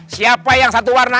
siapa yang satu warna